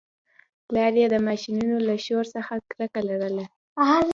پلار یې د ماشینونو له شور څخه کرکه لرله